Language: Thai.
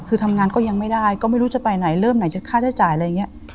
คือทำงานก็ยังไม่ได้ก็ไม่รู้จะไปไหนเริ่มไหนจะค่าใช้จ่ายอะไรอย่างนี้